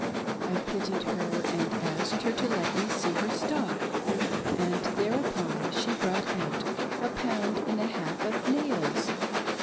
I pitied her and asked her to let me see her stock, and thereupon she brought but a pound and a half of nails!